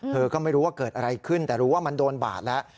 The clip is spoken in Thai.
เธอก็ไม่รู้ว่าเกิดอะไรขึ้นแต่รู้ว่ามันโดนบาดแล้ว